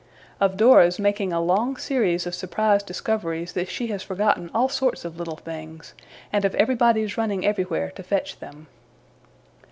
Of Dora's making a long series of surprised discoveries that she has forgotten all sorts of little things; and of everybody's running everywhere to fetch them.